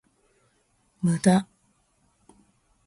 無駄